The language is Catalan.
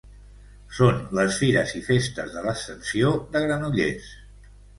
Són les fires i festes de l'Ascensió de Granollers